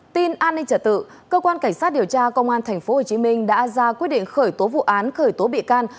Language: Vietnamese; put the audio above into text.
tin an ninh trả tự cơ quan cảnh sát điều tra công an tp hcm đã ra quyết định khởi tố vụ án khởi tố bị can